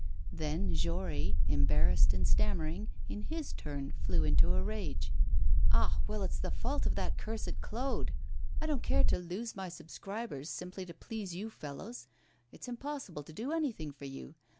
Then Jory, embarrassed and stammering, in his turn flew into a rage. 'Ah! well, it's the fault of that cursed Claude! I don't care to lose my subscribers simply to please you fellows. It's impossible to do anything for you!